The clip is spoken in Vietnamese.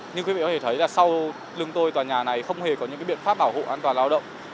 như quý vị có thể thấy là sau lưng tôi tòa nhà này không hề có những biện pháp bảo hộ an toàn lao động